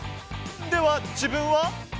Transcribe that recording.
では、自分は。